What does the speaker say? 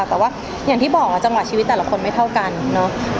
แต่ว่าอย่างที่บอกจังหวะชีวิตแต่ละคนไม่เท่ากันเนอะ